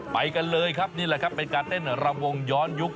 ไปกันเลยครับนี่แหละครับเป็นการเต้นรำวงย้อนยุค